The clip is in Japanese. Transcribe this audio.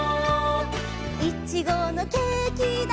「いちごのケーキだ」